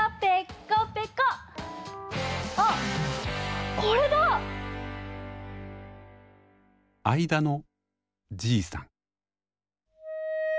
あっこれだ！